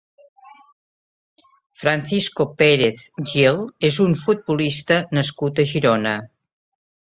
Francisco Pérez Gil és un futbolista nascut a Girona.